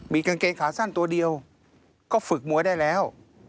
กางเกงขาสั้นตัวเดียวก็ฝึกมวยได้แล้ว